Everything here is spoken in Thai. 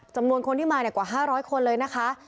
จำนวนคนที่มากว่า๕๐๐คนเลยนะคะ